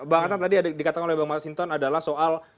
bang hatta tadi dikatakan oleh bang masinton adalah soal